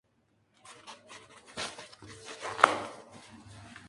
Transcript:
Como el dinero no abundaba, muchos de los servicios se pagaban en especie.